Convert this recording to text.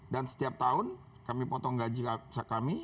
dan setiap tahun kami potong gaji kami